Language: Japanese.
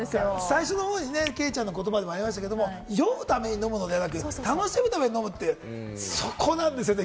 最初の方でケイちゃんの言葉でもありましたけれども、酔うためじゃなく楽しむために飲むという、そこなんですよ。